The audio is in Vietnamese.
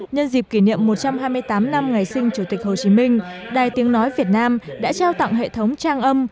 nhân dịp kỷ niệm một trăm hai mươi tám năm ngày sinh chủ tịch hồ chí minh đài tiếng nói việt nam đã trao tặng hệ thống trang âm